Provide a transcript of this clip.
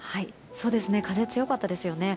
風、強かったですよね。